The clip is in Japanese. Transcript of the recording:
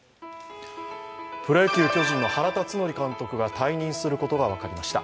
プロ野球巨人の原辰徳監督が退任することが分かりました。